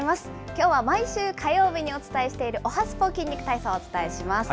きょうは毎週火曜日にお伝えしている、おはＳＰＯ筋肉体操をお伝えします。